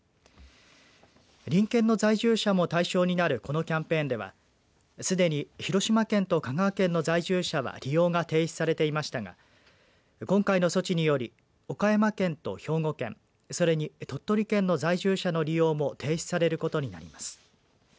隣県の在住者も対象になるこのキャンペーンではすでに広島県と香川県の在住者は利用が停止されていましたが今回の措置により岡山県と兵庫県それに鳥取県の在住者の利用も停止されることになります。